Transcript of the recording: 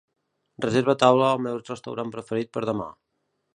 Reserva taula al meu restaurant preferit per demà.